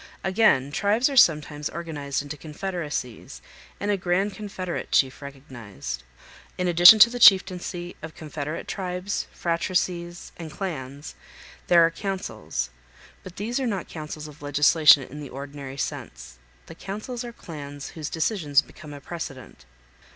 Again, tribes are sometimes organized into confederacies, and a grand confederate chief recognized. In addition to the chieftaincy of confederate tribes, phratries, and clans, there are councils; but these are not councils of legislation in the ordinary sense. The councils are clans whose decisions become a precedent.